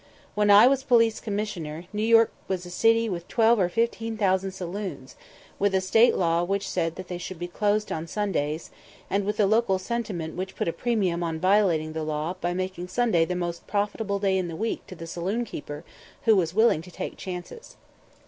When I was Police Commissioner, New York was a city with twelve or fifteen thousand saloons, with a State law which said they should be closed on Sundays, and with a local sentiment which put a premium on violating the law by making Sunday the most profitable day in the week to the saloon keeper who was willing to take chances.